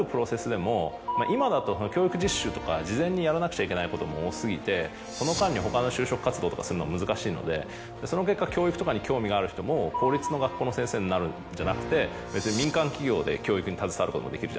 今だと教育実習とか事前にやらなくちゃいけないことも多過ぎてその間に他の就職活動とかするのは難しいのでその結果教育とかに興味がある人も公立の学校の先生になるんじゃなくて別に民間企業で教育に携わることもできる。